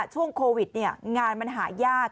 ช่วงโควิดงานมันหายาก